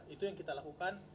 itu yang kita lakukan